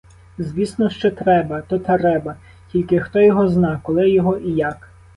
Звісно, що треба, то треба, тільки, хто його зна, коли його і як?